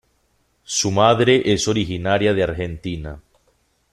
Su madre es originaria de Argentina.